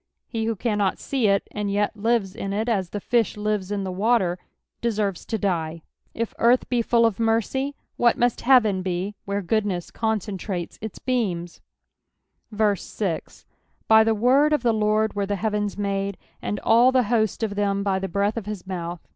He who Gannot see it, and jet lives in it as the fish Ures in the water, deserves to die. ^carth be full of mercj, what must heaven be where goodness coaceatrates its besmaf) 6 By the word of the Lord were the heavens made ; and all the host of them by the breath of his mouth.